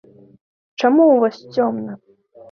Чаму ў вас цёмна?